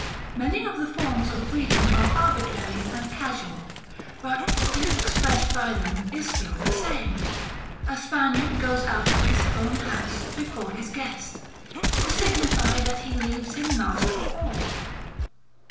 Many of the forms of breeding are arbitrary and casual; but the thing expressed by them is still the same. A Spaniard goes out of his own house before his guest, to signify that he leaves him master of all.